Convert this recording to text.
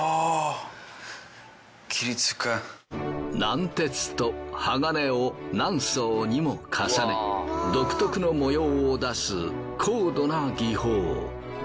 軟鉄と鋼を何層にも重ね独特の模様を出す高度な技法。